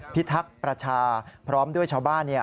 พิทักษ์ประชาพร้อมด้วยชาวบ้าน